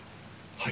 はい。